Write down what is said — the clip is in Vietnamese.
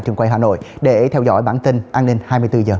trường quay hà nội để theo dõi bản tin an ninh hai mươi bốn h